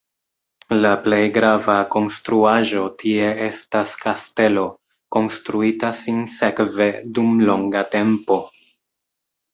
La plej grava konstruaĵo tie estas kastelo, konstruita sinsekve dum longa tempo.